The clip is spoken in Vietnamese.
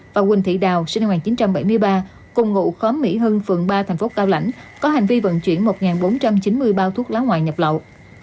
và quỳnh thị đào sinh năm một nghìn chín trăm bảy mươi ba cùng ngụ khóm mỹ hưng phường ba thành phố cao lãnh có hành vi vận chuyển một bốn trăm chín mươi bao thuốc lá ngoại nhập lậu